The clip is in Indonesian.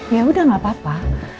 ya udah gak apa apa